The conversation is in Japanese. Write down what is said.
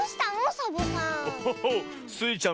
サボさん。